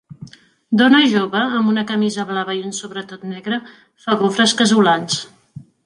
Dona jove amb una camisa blava i un sobretot negre fa gofres casolans.